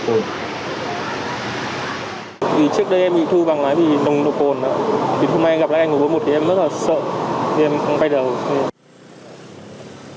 vì trước đây em bị thu bằng lái vì nồng độ cột vì hôm nay gặp lại anh một trăm bốn mươi một thì em rất là sợ em quay đầu